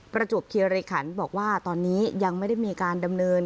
ประจวบคิริขันบอกว่าตอนนี้ยังไม่ได้มีการดำเนิน